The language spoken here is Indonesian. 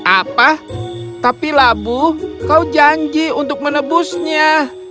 apa tapi labu kau janji untuk menebusnya